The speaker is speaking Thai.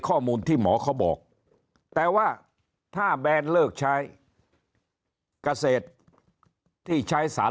ข้อมูลที่หมอเขาบอกแต่ว่าถ้าแบนเลิกใช้เกษตรที่ใช้สาร